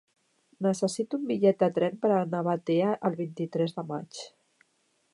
Necessito un bitllet de tren per anar a Batea el vint-i-tres de maig.